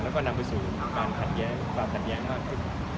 แล้วก็นำไปสู่ความขัดแย้งความขัดแย้งมากขึ้น